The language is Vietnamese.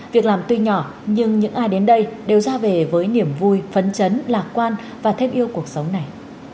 việc làm tuy nhỏ nhưng những ai đến đây đều ra về với niềm vui phấn chấn lạc quan và thêm yêu cuộc sống này